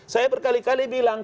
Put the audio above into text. saya berkali kali bilang